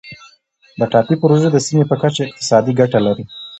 د ټاپي پروژه د سیمې په کچه اقتصادي ګټه لري.